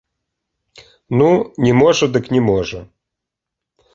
Ну, не можа дык не можа.